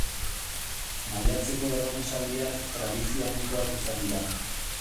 Maiatzeko erromesaldiak tradizio handikoak izan dira.